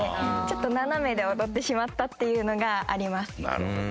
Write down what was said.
なるほど。